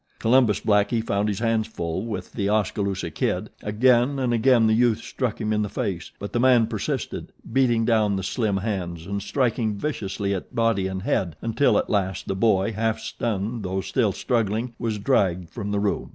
Columbus Blackie found his hands full with The Oskaloosa Kid. Again and again the youth struck him in the face; but the man persisted, beating down the slim hands and striking viciously at body and head until, at last, the boy, half stunned though still struggling, was dragged from the room.